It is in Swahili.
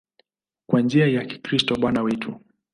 Kwa njia ya Kristo Bwana wetu.